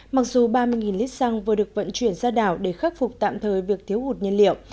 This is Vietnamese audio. mặc dù ba mươi lít xăng vừa được vận chuyển ra đảo để khắc phục tạm thời việc thiếu hụt nhân liệu